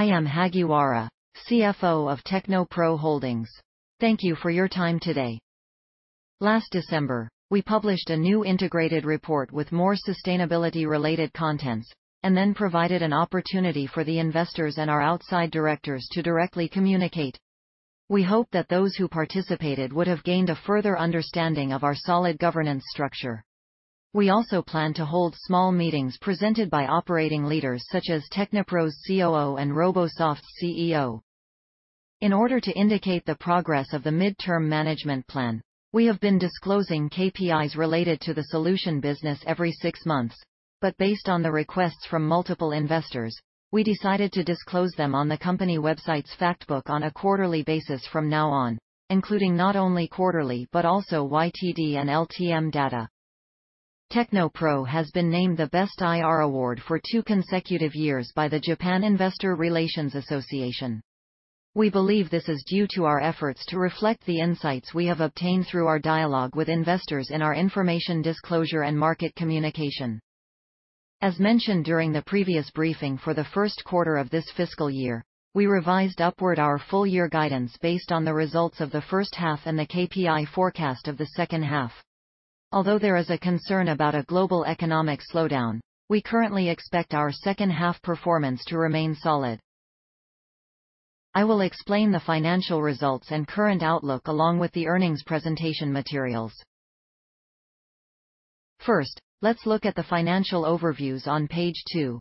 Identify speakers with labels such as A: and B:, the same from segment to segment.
A: I am Hagiwara, CFO of TechnoPro Holdings. Thank you for your time today. Last December, we published a new integrated report with more sustainability-related contents then provided an opportunity for the investors and our outside directors to directly communicate. We hope that those who participated would have gained a further understanding of our solid governance structure. We also plan to hold small meetings presented by operating leaders such as TechnoPro's COO and Robosoft's CEO. In order to indicate the progress of the mid-term management plan, we have been disclosing KPIs related to the solution business every six months. Based on the requests from multiple investors, we decided to disclose them on the company website's fact book on a quarterly basis from now on, including not only quarterly but also YTD and LTM data. TechnoPro has been named the Best IR Award for two consecutive years by the Japan Investor Relations Association. We believe this is due to our efforts to reflect the insights we have obtained through our dialogue with investors in our information disclosure and market communication. As mentioned during the previous briefing for the first quarter of this fiscal year, we revised upward our full year guidance based on the results of the first half and the KPI forecast of the second half. Although there is a concern about a global economic slowdown, we currently expect our second half performance to remain solid. I will explain the financial results and current outlook along with the earnings presentation materials. First, let's look at the financial overviews on page two.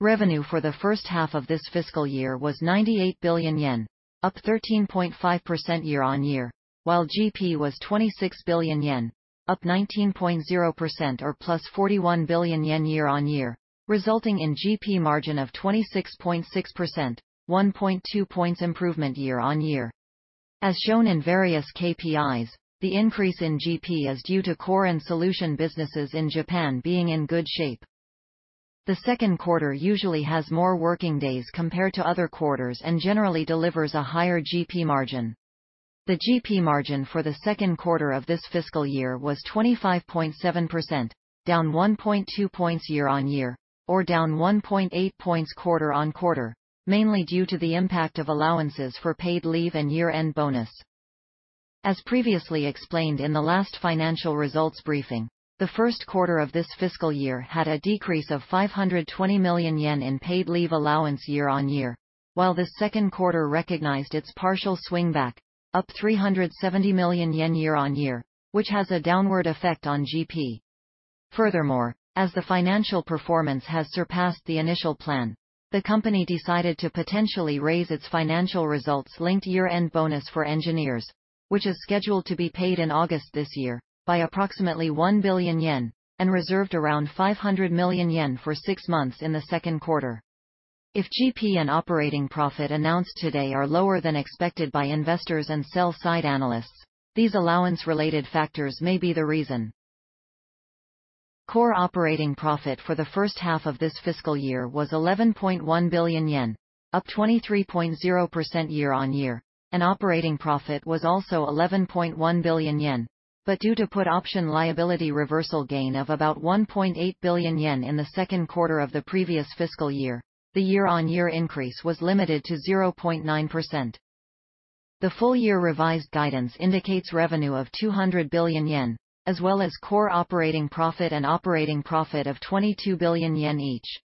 A: Revenue for the first half of this fiscal year was 98 billion yen, up 13.5% year-on-year, while GP was 26 billion yen, up 19.0% or +41 billion yen year-on-year, resulting in GP margin of 26.6%, 1.2 points improvement year-on-year. As shown in various KPIs, the increase in GP is due to core and solution businesses in Japan being in good shape. The second quarter usually has more working days compared to other quarters and generally delivers a higher GP margin. The GP margin for the second quarter of this fiscal year was 25.7%, down 1.2 points year-on-year or down 1.8 points quarter-on-quarter, mainly due to the impact of allowances for paid leave and year-end bonus. As previously explained in the last financial results briefing, the first quarter of this fiscal year had a decrease of 520 million yen in paid leave allowance year-on-year, while the second quarter recognized its partial swing back, up 370 million yen year-on-year, which has a downward effect on GP. Furthermore, as the financial performance has surpassed the initial plan, the company decided to potentially raise its financial results linked year-end bonus for engineers, which is scheduled to be paid in August this year by approximately 1 billion yen and reserved around 500 million yen for six months in the second quarter. If GP and operating profit announced today are lower than expected by investors and sell-side analysts, these allowance-related factors may be the reason. Core operating profit for the first half of this fiscal year was 11.1 billion yen, up 23.0% year-on-year. Operating profit was also 11.1 billion yen. Due to put option liability reversal gain of about 1.8 billion yen in the second quarter of the previous fiscal year, the year-on-year increase was limited to 0.9%. The full year revised guidance indicates revenue of 200 billion yen, as well as core operating profit and operating profit of 22 billion yen each.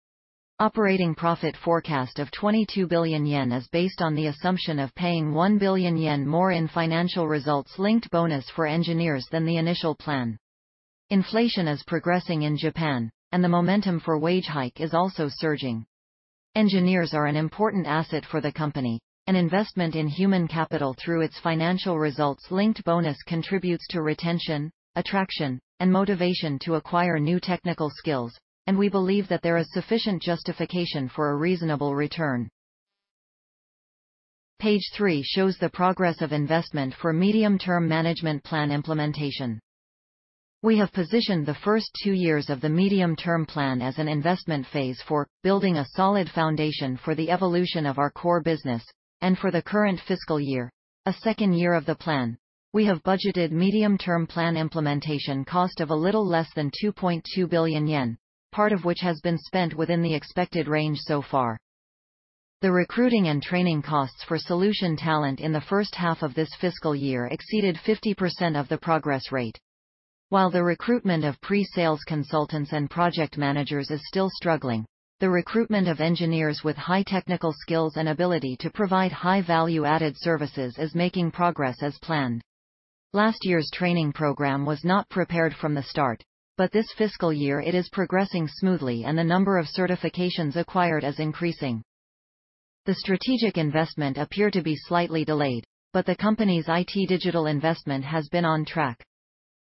A: Operating profit forecast of 22 billion yen is based on the assumption of paying 1 billion yen more in financial results linked bonus for engineers than the initial plan. Inflation is progressing in Japan. The momentum for wage hike is also surging. Engineers are an important asset for the company, investment in human capital through its financial results linked bonus contributes to retention, attraction, and motivation to acquire new technical skills. We believe that there is sufficient justification for a reasonable return. Page 3 shows the progress of investment for medium-term management plan implementation. We have positioned the first two years of the medium-term plan as an investment phase for building a solid foundation for the evolution of our core business. For the current fiscal year, a second year of the plan, we have budgeted medium-term plan implementation cost of a little less than 2.2 billion yen, part of which has been spent within the expected range so far. The recruiting and training costs for solution talent in the first half of this fiscal year exceeded 50% of the progress rate. While the recruitment of pre-sales consultants and project managers is still struggling, the recruitment of engineers with high technical skills and ability to provide high value-added services is making progress as planned. Last year's training program was not prepared from the start, but this fiscal year it is progressing smoothly, and the number of certifications acquired is increasing. The strategic investment appeared to be slightly delayed, but the company's IT digital investment has been on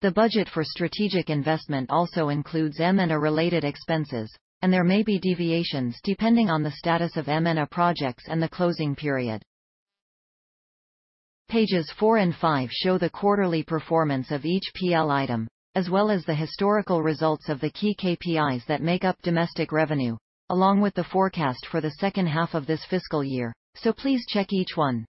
A: track. The budget for strategic investment also includes M&A related expenses, and there may be deviations depending on the status of M&A projects and the closing period. Pages four and five show the quarterly performance of each PL item, as well as the historical results of the key KPIs that make up domestic revenue, along with the forecast for the second half of this fiscal year. Please check each one.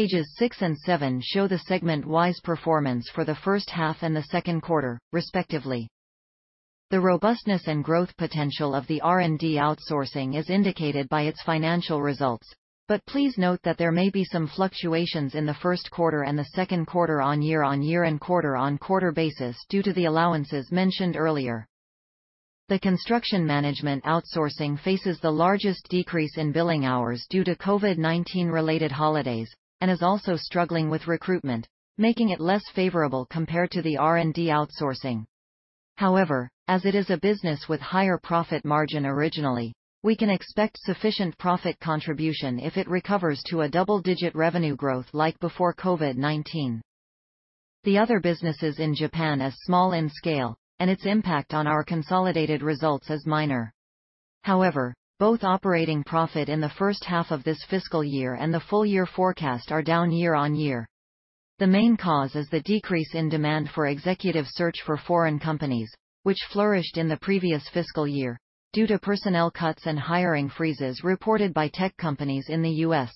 A: Pages six and seven show the segment-wise performance for the first half and the second quarter, respectively. The robustness and growth potential of the R&D outsourcing is indicated by its financial results. Please note that there may be some fluctuations in the first quarter and the second quarter year-over-year and quarter-over-quarter basis due to the allowances mentioned earlier. The construction management outsourcing faces the largest decrease in billing hours due to COVID-19 related holidays and is also struggling with recruitment, making it less favorable compared to the R&D outsourcing. However, as it is a business with higher profit margin originally, we can expect sufficient profit contribution if it recovers to a double-digit revenue growth like before COVID-19. The other businesses in Japan are small in scale, and its impact on our consolidated results is minor. However, both operating profit in the first half of this fiscal year and the full year forecast are down year-on-year. The main cause is the decrease in demand for executive search for foreign companies, which flourished in the previous fiscal year due to personnel cuts and hiring freezes reported by tech companies in the U.S.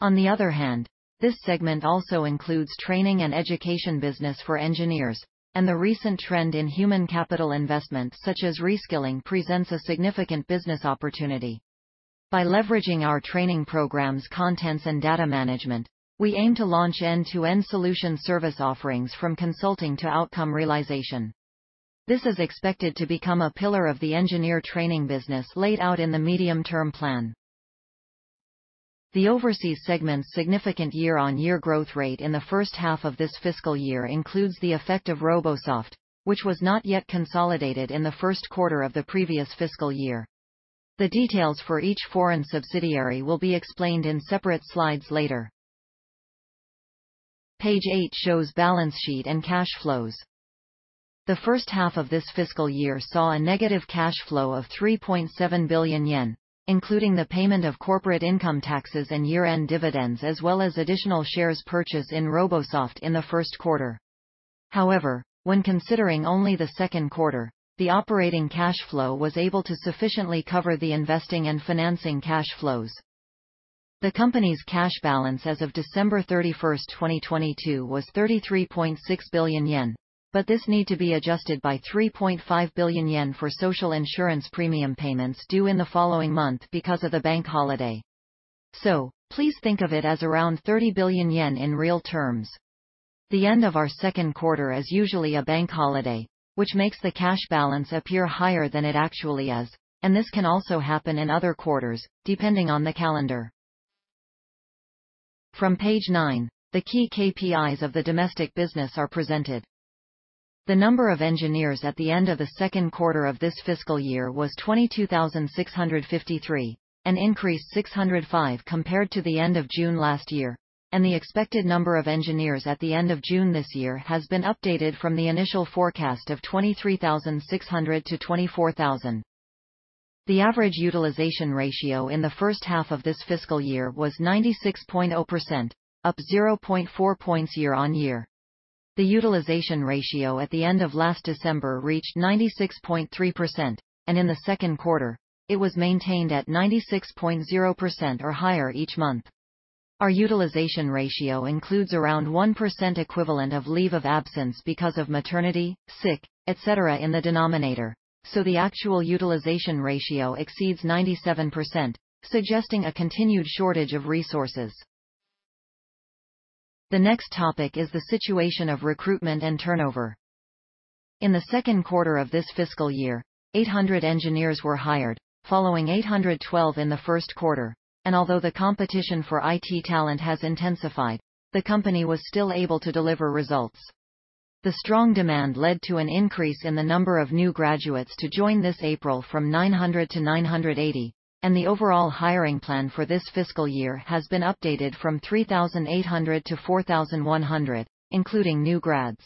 A: On the other hand, this segment also includes training and education business for engineers, and the recent trend in human capital investment, such as reskilling, presents a significant business opportunity. By leveraging our training programs' contents and data management, we aim to launch end-to-end solution service offerings from consulting to outcome realization. This is expected to become a pillar of the engineer training business laid out in the medium-term plan. The overseas segment's significant year-on-year growth rate in the first half of this fiscal year includes the effect of Robosoft, which was not yet consolidated in the first quarter of the previous fiscal year. The details for each foreign subsidiary will be explained in separate slides later. Page 8 shows balance sheet and cash flows. The first half of this fiscal year saw a negative cash flow of 3.7 billion yen, including the payment of corporate income taxes and year-end dividends, as well as additional shares purchase in Robosoft in the first quarter. When considering only the second quarter, the operating cash flow was able to sufficiently cover the investing and financing cash flows. The company's cash balance as of December 31st, 2022, was 33.6 billion yen. This need to be adjusted by 3.5 billion yen for social insurance premium payments due in the following month because of the bank holiday. Please think of it as around 30 billion yen in real terms. The end of our second quarter is usually a bank holiday, which makes the cash balance appear higher than it actually is, and this can also happen in other quarters, depending on the calendar. From page 9, the key KPIs of the domestic business are presented. The number of engineers at the end of the second quarter of this fiscal year was 22,653, an increase 605 compared to the end of June last year, and the expected number of engineers at the end of June this year has been updated from the initial forecast of 23,600 to 24,000. The average utilization ratio in the first half of this fiscal year was 96.0%, up 0.4 points year-on-year. The utilization ratio at the end of last December reached 96.3%, and in the second quarter, it was maintained at 96.0% or higher each month. Our utilization ratio includes around 1% equivalent of leave of absence because of maternity, sick, etc., in the denominator. The actual utilization ratio exceeds 97%, suggesting a continued shortage of resources. The next topic is the situation of recruitment and turnover. In the second quarter of this fiscal year, 800 engineers were hired, following 812 in the first quarter. Although the competition for IT talent has intensified, the company was still able to deliver results. The strong demand led to an increase in the number of new graduates to join this April from 900 to 980. The overall hiring plan for this fiscal year has been updated from 3,800 to 4,100, including new grads.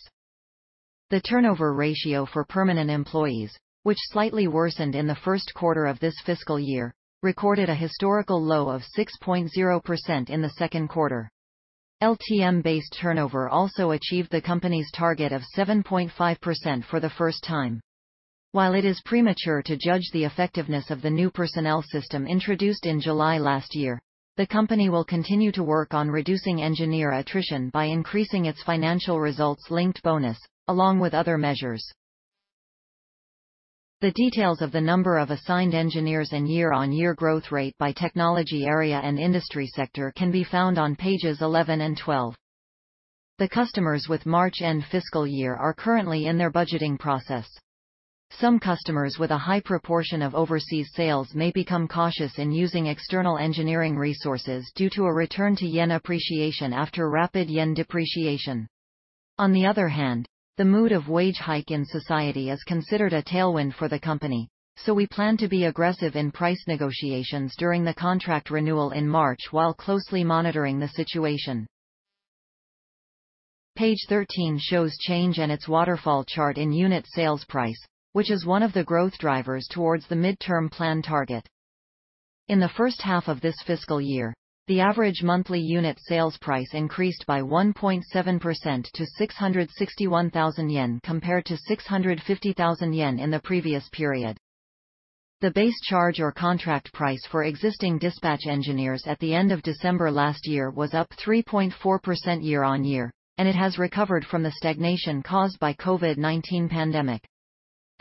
A: The turnover ratio for permanent employees, which slightly worsened in the first quarter of this fiscal year, recorded a historical low of 6.0% in the second quarter. LTM-based turnover also achieved the company's target of 7.5% for the first time. While it is premature to judge the effectiveness of the new personnel system introduced in July last year, the company will continue to work on reducing engineer attrition by increasing its financial results-linked bonus, along with other measures. The details of the number of assigned engineers and year-on-year growth rate by technology area and industry sector can be found on pages 11 and 12. The customers with March end fiscal year are currently in their budgeting process. Some customers with a high proportion of overseas sales may become cautious in using external engineering resources due to a return to yen appreciation after rapid yen depreciation. The mood of wage hike in society is considered a tailwind for the company. We plan to be aggressive in price negotiations during the contract renewal in March while closely monitoring the situation. Page 13 shows change and its waterfall chart in unit sales price, which is one of the growth drivers towards the midterm plan target. In the first half of this fiscal year, the average monthly unit sales price increased by 1.7% to 661,000 yen compared to 650,000 yen in the previous period. The base charge or contract price for existing dispatch engineers at the end of December last year was up 3.4% year-on-year, and it has recovered from the stagnation caused by COVID-19 pandemic.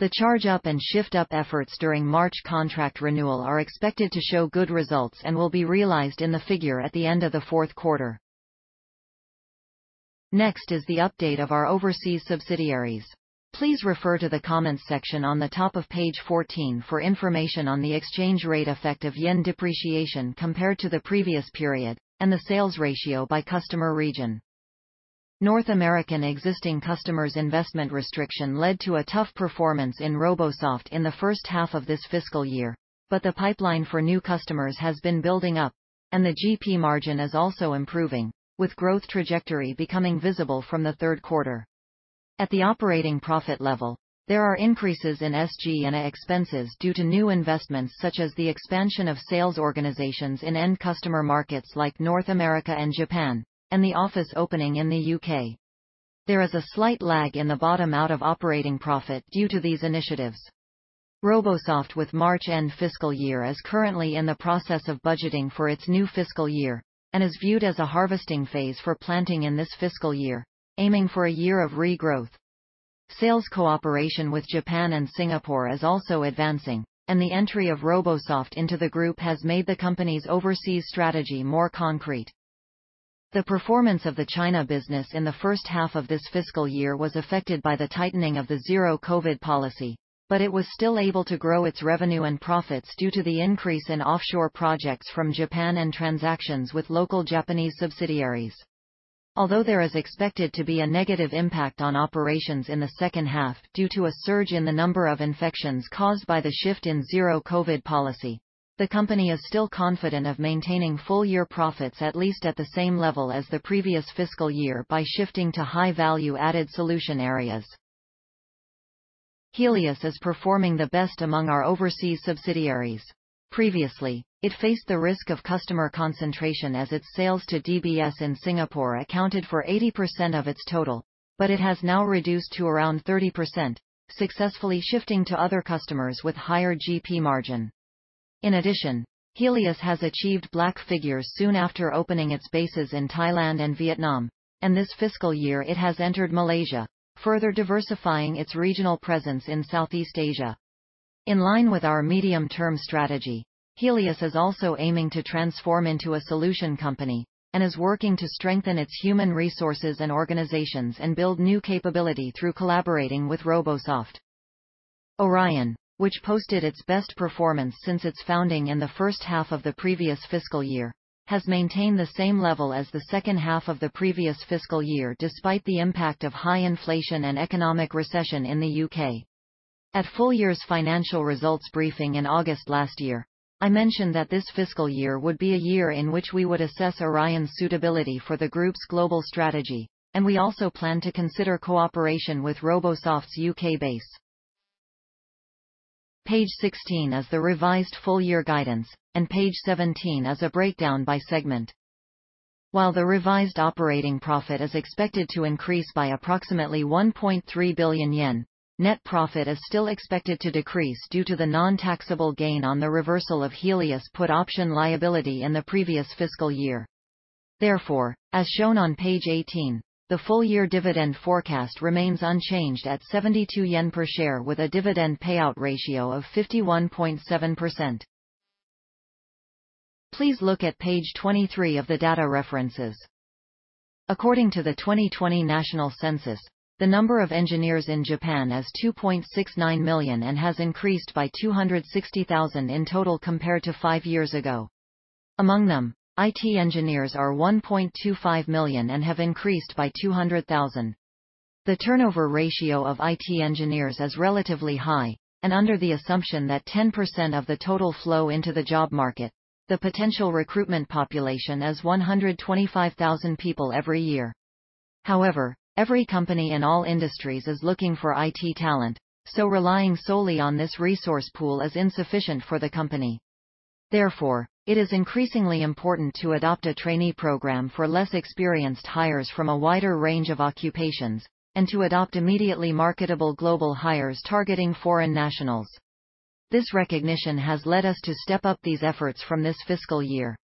A: The charge-up and shift-up efforts during March contract renewal are expected to show good results and will be realized in the figure at the end of the fourth quarter. Next is the update of our overseas subsidiaries. Please refer to the comments section on the top of page 14 for information on the exchange rate effect of yen depreciation compared to the previous period and the sales ratio by customer region. North American existing customers investment restriction led to a tough performance in Robosoft in the first half of this fiscal year, but the pipeline for new customers has been building up, and the GP margin is also improving, with growth trajectory becoming visible from the third quarter. At the operating profit level, there are increases in SG&A expenses due to new investments such as the expansion of sales organizations in end customer markets like North America and Japan and the office opening in the U.K. There is a slight lag in the bottom out of operating profit due to these initiatives. Robosoft with March end fiscal year is currently in the process of budgeting for its new fiscal year and is viewed as a harvesting phase for planting in this fiscal year, aiming for a year of regrowth. Sales cooperation with Japan and Singapore is also advancing, and the entry of Robosoft into the group has made the company's overseas strategy more concrete. The performance of the China business in the first half of this fiscal year was affected by the tightening of the zero COVID policy, but it was still able to grow its revenue and profits due to the increase in offshore projects from Japan and transactions with local Japanese subsidiaries. Although there is expected to be a negative impact on operations in the second half due to a surge in the number of infections caused by the shift in zero COVID policy, the company is still confident of maintaining full-year profits at least at the same level as the previous fiscal year by shifting to high value-added solution areas. Helius is performing the best among our overseas subsidiaries. Previously, it faced the risk of customer concentration as its sales to DBS in Singapore accounted for 80% of its total, but it has now reduced to around 30%, successfully shifting to other customers with higher GP margin. In addition, Helius has achieved black figures soon after opening its bases in Thailand and Vietnam, and this fiscal year it has entered Malaysia, further diversifying its regional presence in Southeast Asia. In line with our medium-term strategy, Helius is also aiming to transform into a solution company and is working to strengthen its human resources and organizations and build new capability through collaborating with Robosoft. Orion, which posted its best performance since its founding in the first half of the previous fiscal year, has maintained the same level as the second half of the previous fiscal year despite the impact of high inflation and economic recession in the U.K. At full year's financial results briefing in August last year, I mentioned that this fiscal year would be a year in which we would assess Orion's suitability for the group's global strategy, and we also plan to consider cooperation with Robosoft's UK base. Page 16 is the revised full-year guidance, and page 17 is a breakdown by segment. While the revised operating profit is expected to increase by approximately 1.3 billion yen, net profit is still expected to decrease due to the non-taxable gain on the reversal of Helius put option liability in the previous fiscal year. Therefore, as shown on page 18, the full-year dividend forecast remains unchanged at 72 yen per share with a dividend payout ratio of 51.7%. Please look at page 23 of the data references. According to the 2020 national census, the number of engineers in Japan is 2.69 million and has increased by 260,000 in total compared to five years ago. Among them, IT engineers are 1.25 million and have increased by 200,000. The turnover ratio of IT engineers is relatively high, and under the assumption that 10% of the total flow into the job market, the potential recruitment population is 125,000 people every year. However, every company in all industries is looking for IT talent, so relying solely on this resource pool is insufficient for the company. Therefore, it is increasingly important to adopt a trainee program for less experienced hires from a wider range of occupations and to adopt immediately marketable global hires targeting foreign nationals. This recognition has led us to step up these efforts from this fiscal year.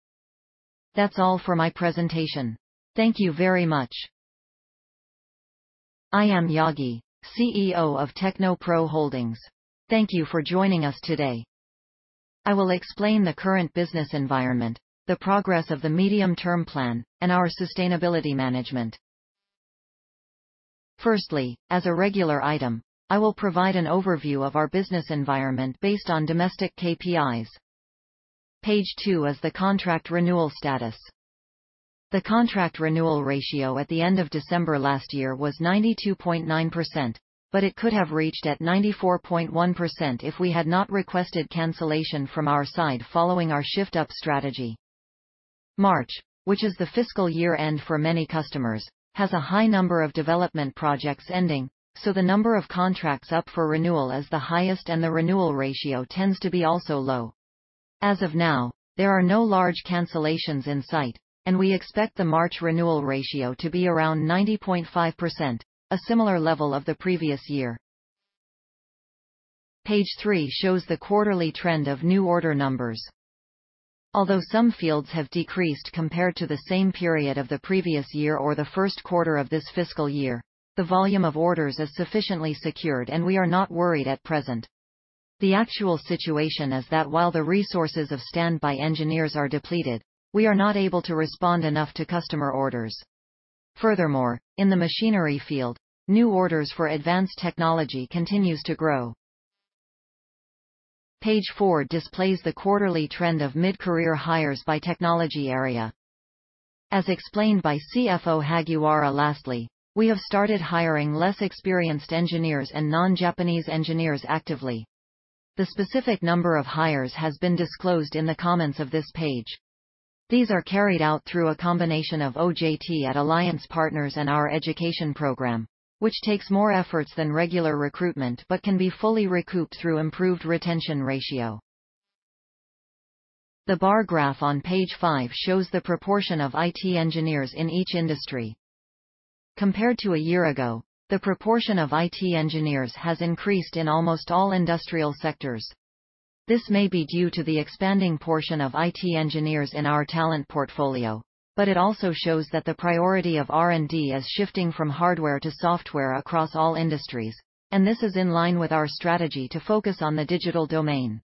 A: That's all for my presentation. Thank you very much.
B: I am Yagi, CEO of TechnoPro Holdings. Thank you for joining us today. I will explain the current business environment, the progress of the medium-term plan, and our sustainability management. As a regular item, I will provide an overview of our business environment based on domestic KPIs. Page 2 is the contract renewal status. The contract renewal ratio at the end of December last year was 92.9%, it could have reached at 94.1% if we had not requested cancellation from our side following our shift-up strategy. March, which is the fiscal year end for many customers, has a high number of development projects ending, so the number of contracts up for renewal is the highest and the renewal ratio tends to be also low. As of now, there are no large cancellations in sight, and we expect the March renewal ratio to be around 90.5%, a similar level of the previous year. Page 3 shows the quarterly trend of new order numbers. Although some fields have decreased compared to the same period of the previous year or the first quarter of this fiscal year, the volume of orders is sufficiently secured, and we are not worried at present. The actual situation is that while the resources of standby engineers are depleted, we are not able to respond enough to customer orders. In the machinery field, new orders for advanced technology continues to grow. Page 4 displays the quarterly trend of mid-career hires by technology area. As explained by CFO Hagiwara lastly, we have started hiring less experienced engineers and non-Japanese engineers actively. The specific number of hires has been disclosed in the comments of this page. These are carried out through a combination of OJT at alliance partners and our education program, which takes more efforts than regular recruitment but can be fully recouped through improved retention ratio. The bar graph on page 5 shows the proportion of IT engineers in each industry. Compared to a year ago, the proportion of IT engineers has increased in almost all industrial sectors. This may be due to the expanding portion of IT engineers in our talent portfolio. It also shows that the priority of R&D is shifting from hardware to software across all industries. This is in line with our strategy to focus on the digital domain.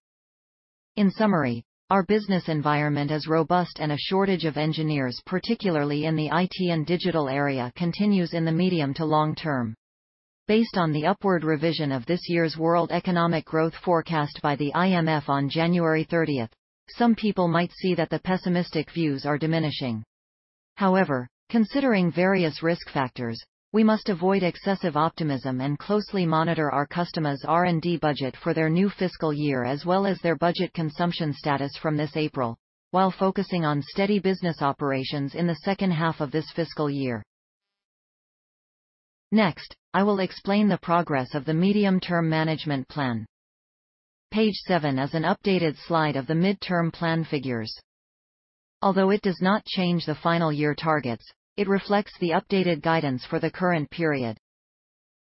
B: In summary, our business environment is robust. A shortage of engineers, particularly in the IT and digital area, continues in the medium to long term. Based on the upward revision of this year's world economic growth forecast by the IMF on January thirtieth, some people might see that the pessimistic views are diminishing. However, considering various risk factors, we must avoid excessive optimism and closely monitor our customers' R&D budget for their new fiscal year as well as their budget consumption status from this April while focusing on steady business operations in the second half of this fiscal year. Next, I will explain the progress of the medium-term management plan. Page 7 is an updated slide of the mid-term plan figures. Although it does not change the final year targets, it reflects the updated guidance for the current period.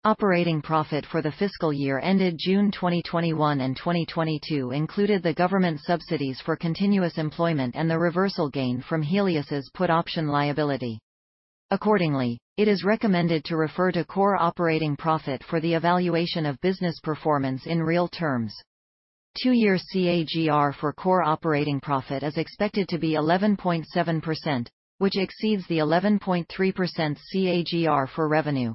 B: Operating profit for the fiscal year ended June 2021 and 2022 included the government subsidies for continuous employment and the reversal gain from Helius' put option liability. Accordingly, it is recommended to refer to core operating profit for the evaluation of business performance in real terms. 2-year CAGR for core operating profit is expected to be 11.7%, which exceeds the 11.3% CAGR for revenue.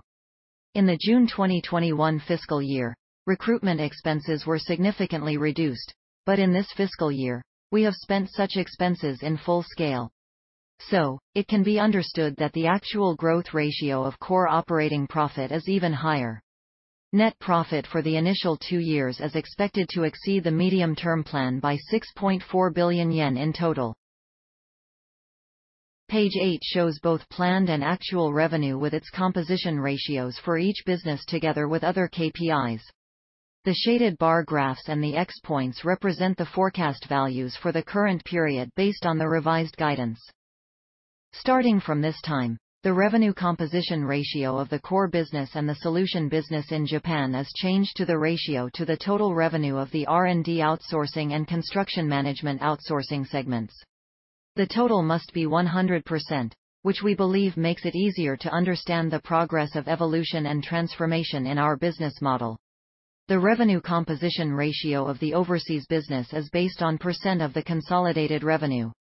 B: In the June 2021 fiscal year, recruitment expenses were significantly reduced, but in this fiscal year, we have spent such expenses in full scale. It can be understood that the actual growth ratio of core operating profit is even higher. Net profit for the initial two years is expected to exceed the medium-term plan by 6.4 billion yen in total. Page 8 shows both planned and actual revenue with its composition ratios for each business together with other KPIs. The shaded bar graphs and the X points represent the forecast values for the current period based on the revised guidance. Starting from this time, the revenue composition ratio of the core business and the solution business in Japan is changed to the ratio to the total revenue of the R&D outsourcing and construction management outsourcing segments. The total must be 100%, which we believe makes it easier to understand the progress of evolution and transformation in our business model. The revenue composition ratio of the overseas business is based on percent of the consolidated revenue.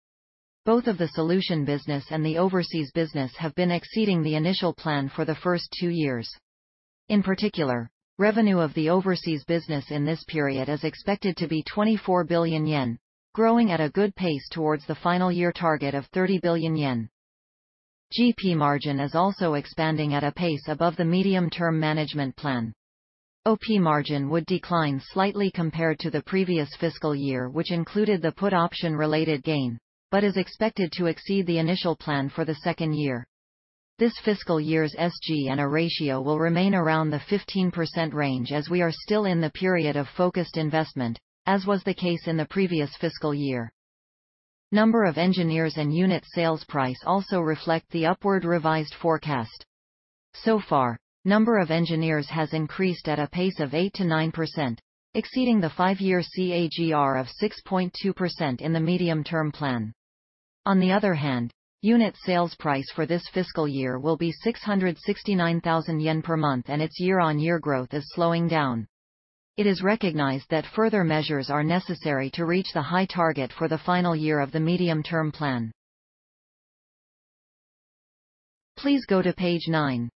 B: Both of the solution business and the overseas business have been exceeding the initial plan for the first two years. In particular, revenue of the overseas business in this period is expected to be 24 billion yen, growing at a good pace towards the final year target of 30 billion yen. GP margin is also expanding at a pace above the medium-term management plan. OP margin would decline slightly compared to the previous fiscal year, which included the put option-related gain, but is expected to exceed the initial plan for the second year. This fiscal year's SG&A ratio will remain around the 15% range as we are still in the period of focused investment, as was the case in the previous fiscal year. Number of engineers and unit sales price also reflect the upward revised forecast. Number of engineers has increased at a pace of 8%-9%, exceeding the five-year CAGR of 6.2% in the medium-term plan. Unit sales price for this fiscal year will be 669,000 yen per month, and its year-on-year growth is slowing down. It is recognized that further measures are necessary to reach the high target for the final year of the medium-term plan. Please go to page 9.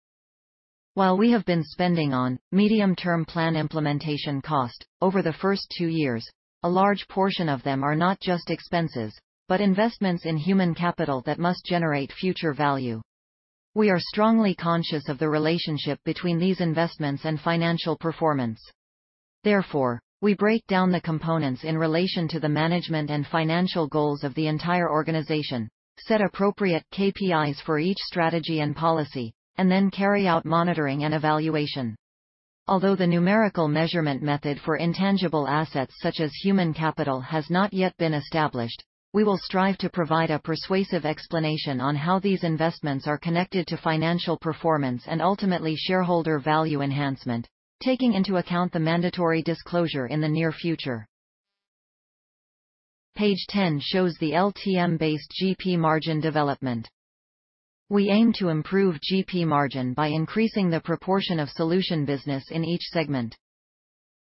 B: We have been spending on medium-term plan implementation cost over the first two years, a large portion of them are not just expenses but investments in human capital that must generate future value. We are strongly conscious of the relationship between these investments and financial performance. We break down the components in relation to the management and financial goals of the entire organization, set appropriate KPIs for each strategy and policy, and then carry out monitoring and evaluation. Although the numerical measurement method for intangible assets such as human capital has not yet been established, we will strive to provide a persuasive explanation on how these investments are connected to financial performance and ultimately shareholder value enhancement, taking into account the mandatory disclosure in the near future. Page 10 shows the LTM-based GP margin development. We aim to improve GP margin by increasing the proportion of solution business in each segment.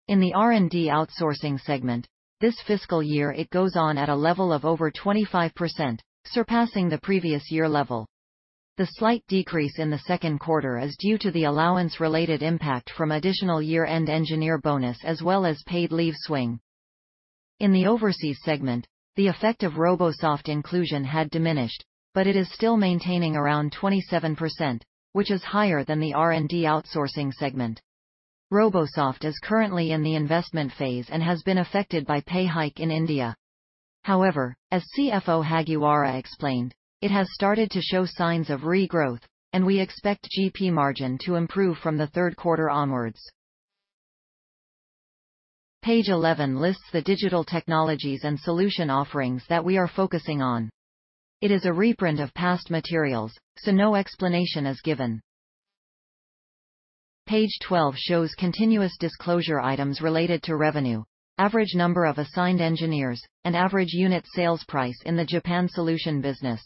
B: In the R&D outsourcing segment, this fiscal year it goes on at a level of over 25%, surpassing the previous year level. The slight decrease in the second quarter is due to the allowance-related impact from additional year-end engineer bonus as well as paid leave swing. In the overseas segment, the effect of Robosoft inclusion had diminished, but it is still maintaining around 27%, which is higher than the R&D outsourcing segment. Robosoft is currently in the investment phase and has been affected by pay hike in India. As CFO Hagiwara explained, it has started to show signs of regrowth, and we expect GP margin to improve from the third quarter onwards. Page 11 lists the digital technologies and solution offerings that we are focusing on. It is a reprint of past materials, no explanation is given. Page 12 shows continuous disclosure items related to revenue, average number of assigned engineers, and average unit sales price in the Japan solution business.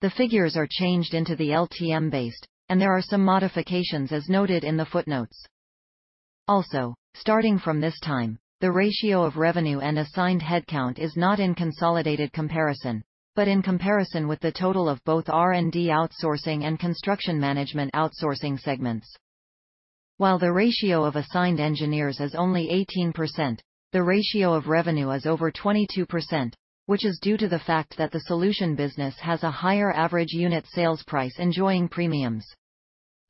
B: The figures are changed into the LTM-based, and there are some modifications as noted in the footnotes. Starting from this time, the ratio of revenue and assigned headcount is not in consolidated comparison, but in comparison with the total of both R&D outsourcing and construction management outsourcing segments. While the ratio of assigned engineers is only 18%, the ratio of revenue is over 22%, which is due to the fact that the solution business has a higher average unit sales price enjoying premiums.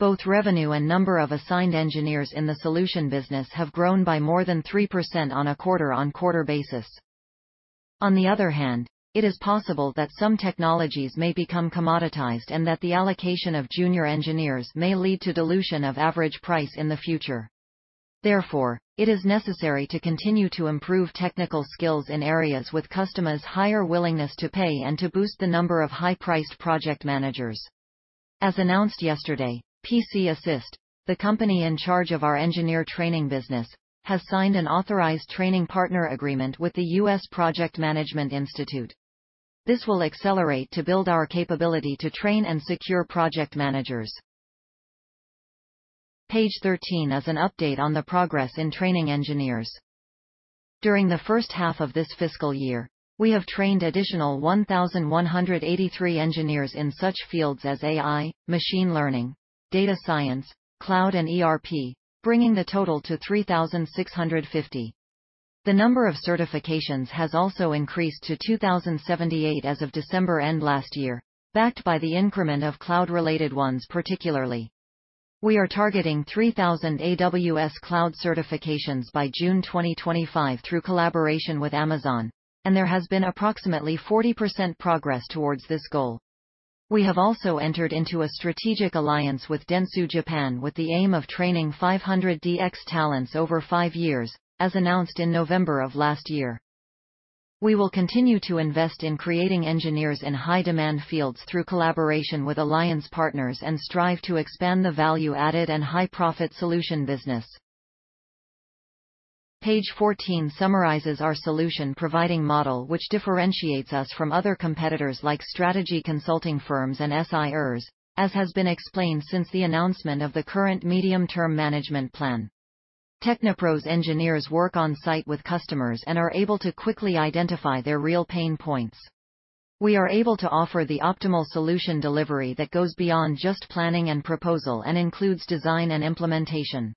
B: Both revenue and number of assigned engineers in the solution business have grown by more than 3% on a quarter-on-quarter basis. On the other hand, it is possible that some technologies may become commoditized and that the allocation of junior engineers may lead to dilution of average price in the future. Therefore, it is necessary to continue to improve technical skills in areas with customers' higher willingness to pay and to boost the number of high-priced project managers. As announced yesterday, Pc Assist, the company in charge of our engineer training business, has signed an authorized training partner agreement with the U.S. Project Management Institute. This will accelerate to build our capability to train and secure project managers. Page 13 is an update on the progress in training engineers. During the first half of this fiscal year, we have trained additional 1,183 engineers in such fields as AI, machine learning, data science, cloud, and ERP, bringing the total to 3,650. The number of certifications has also increased to 2,078 as of December end last year, backed by the increment of cloud-related ones particularly. We are targeting 3,000 AWS cloud certifications by June 2025 through collaboration with Amazon, and there has been approximately 40% progress towards this goal. We have also entered into a strategic alliance with Dentsu Japan with the aim of training 500 DX talents over five years, as announced in November of last year. We will continue to invest in creating engineers in high-demand fields through collaboration with alliance partners and strive to expand the value-added and high-profit solution business. Page 14 summarizes our solution providing model which differentiates us from other competitors like strategy consulting firms and SIers, as has been explained since the announcement of the current medium-term management plan. TechnoPro's engineers work on-site with customers and are able to quickly identify their real pain points. We are able to offer the optimal solution delivery that goes beyond just planning and proposal and includes design and implementation.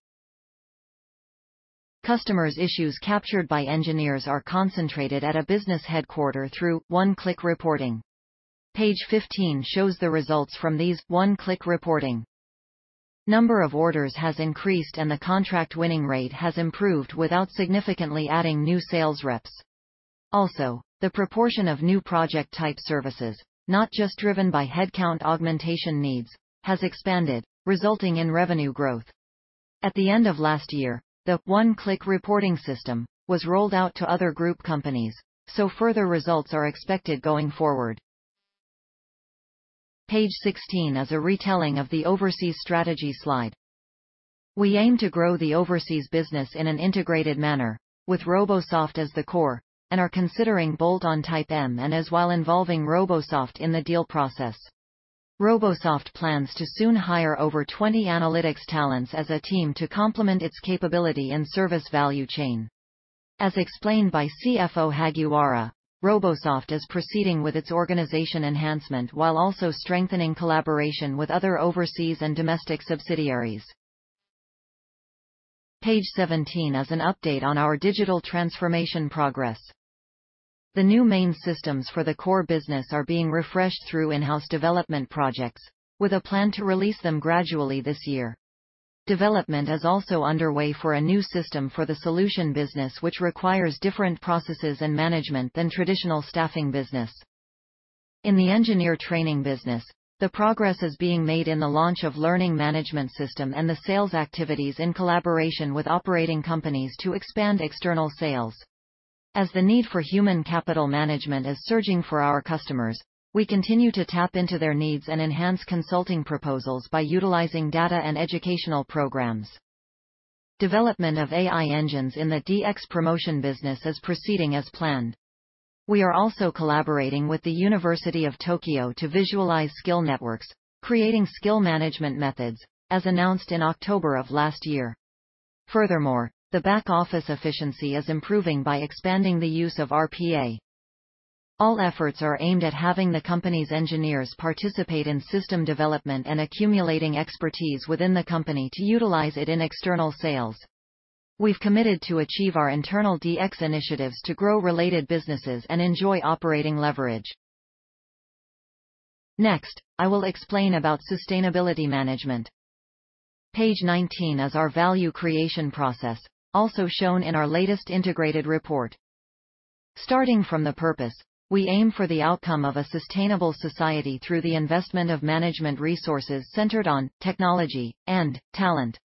B: Customers' issues captured by engineers are concentrated at a business headquarter through one-click reporting. Page 15 shows the results from these one-click reporting. Number of orders has increased, and the contract winning rate has improved without significantly adding new sales reps. The proportion of new project-type services, not just driven by headcount augmentation needs, has expanded, resulting in revenue growth. At the end of last year, the one-click reporting system was rolled out to other group companies, further results are expected going forward. Page 16 is a retelling of the overseas strategy slide. We aim to grow the overseas business in an integrated manner with Robosoft as the core and are considering bolt-on type M&As while involving Robosoft in the deal process. Robosoft plans to soon hire over 20 analytics talents as a team to complement its capability in service value chain. As explained by CFO Hagiwara, Robosoft is proceeding with its organization enhancement while also strengthening collaboration with other overseas and domestic subsidiaries. Page 17 is an update on our digital transformation progress. The new main systems for the core business are being refreshed through in-house development projects, with a plan to release them gradually this year. Development is also underway for a new system for the solution business, which requires different processes and management than traditional staffing business. In the engineer training business, the progress is being made in the launch of Learning Management System and the sales activities in collaboration with operating companies to expand external sales. As the need for human capital management is surging for our customers, we continue to tap into their needs and enhance consulting proposals by utilizing data and educational programs. Development of AI engines in the DX promotion business is proceeding as planned. We are also collaborating with The University of Tokyo to visualize skill networks, creating skill management methods, as announced in October of last year. Furthermore, the back-office efficiency is improving by expanding the use of RPA. All efforts are aimed at having the company's engineers participate in system development and accumulating expertise within the company to utilize it in external sales. We've committed to achieve our internal DX initiatives to grow related businesses and enjoy operating leverage. Next, I will explain about sustainability management. Page 19 is our value creation process, also shown in our latest integrated report. Starting from the purpose, we aim for the outcome of a sustainable society through the investment of management resources centered on technology and talent.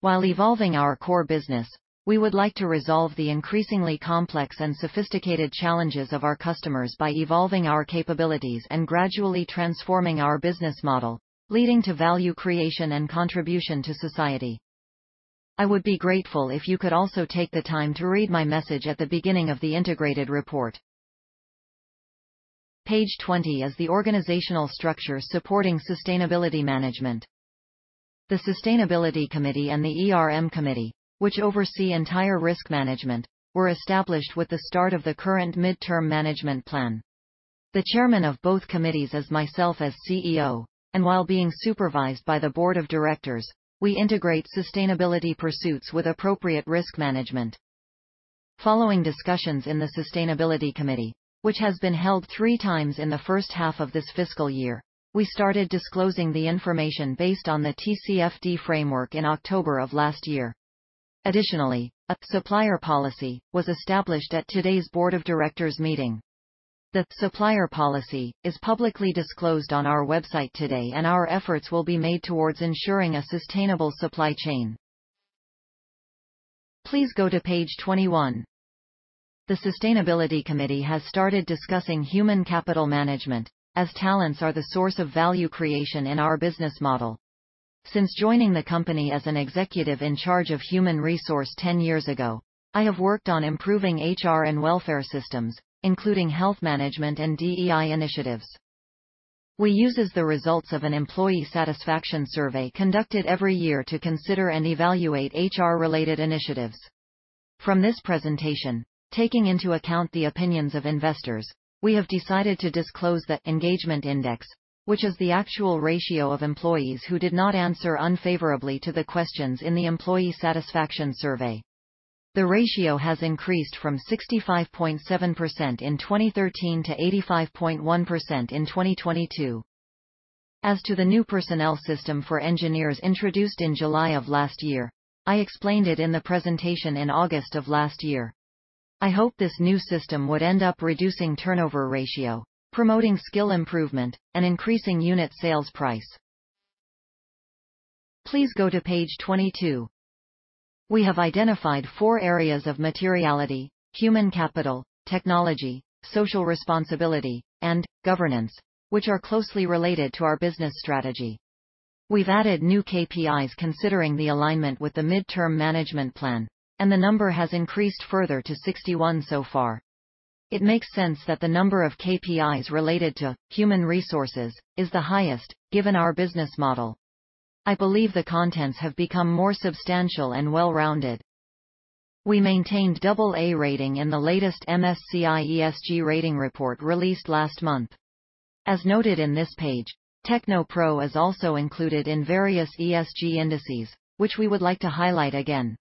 B: While evolving our core business, we would like to resolve the increasingly complex and sophisticated challenges of our customers by evolving our capabilities and gradually transforming our business model, leading to value creation and contribution to society. I would be grateful if you could also take the time to read my message at the beginning of the integrated report. Page 20 is the organizational structure supporting sustainability management. The Sustainability Committee and the ERM Committee, which oversee entire risk management, were established with the start of the current mid-term management plan. The chairman of both committees is myself as CEO, while being supervised by the board of directors, we integrate sustainability pursuits with appropriate risk management. Following discussions in the Sustainability Committee, which has been held three times in the first half of this fiscal year, we started disclosing the information based on the TCFD framework in October of last year. Additionally, a supplier policy was established at today's board of directors meeting. The supplier policy is publicly disclosed on our website today, and our efforts will be made towards ensuring a sustainable supply chain. Please go to page 21. The Sustainability Committee has started discussing human capital management as talents are the source of value creation in our business model. Since joining the company as an executive in charge of human resource 10 years ago, I have worked on improving HR and welfare systems, including health management and DEI initiatives. We uses the results of an employee satisfaction survey conducted every year to consider and evaluate HR-related initiatives. From this presentation, taking into account the opinions of investors, we have decided to disclose the engagement index, which is the actual ratio of employees who did not answer unfavorably to the questions in the employee satisfaction survey. The ratio has increased from 65.7% in 2013 to 85.1% in 2022. As to the new personnel system for engineers introduced in July of last year, I explained it in the presentation in August of last year. I hope this new system would end up reducing turnover ratio, promoting skill improvement, and increasing unit sales price. Please go to page 22. We have identified four areas of materiality: human capital, technology, social responsibility, and governance, which are closely related to our business strategy. We've added new KPIs considering the alignment with the mid-term management plan, and the number has increased further to 61 so far. It makes sense that the number of KPIs related to human resources is the highest given our business model. I believe the contents have become more substantial and well-rounded. We maintained double A rating in the latest MSCI ESG rating report released last month. As noted in this page, TechnoPro is also included in various ESG indices, which we would like to highlight again.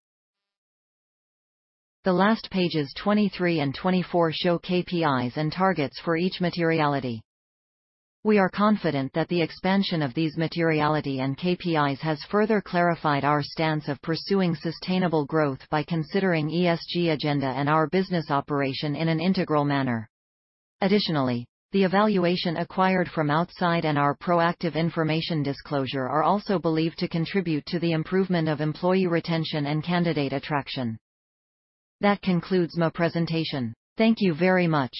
B: The last pages 23 and 24 show KPIs and targets for each materiality. We are confident that the expansion of these materiality and KPIs has further clarified our stance of pursuing sustainable growth by considering ESG agenda and our business operation in an integral manner. The evaluation acquired from outside and our proactive information disclosure are also believed to contribute to the improvement of employee retention and candidate attraction. That concludes my presentation. Thank you very much.